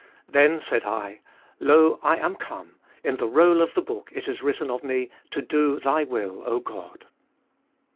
Then said I, Lo, I am come (In the roll of the book it Is written of me) To do thy will, O God.